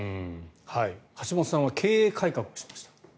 橋本さんは経営改革をしました。